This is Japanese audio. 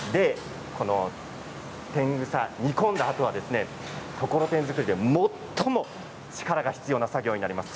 てんぐさを煮込んだあとはところてん作りで最も力が必要な作業になります。